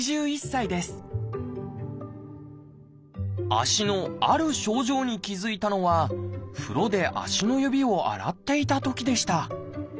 足のある症状に気付いたのは風呂で足の指を洗っていたときでした